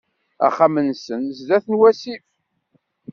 Axxam-nsen sdat n wasif.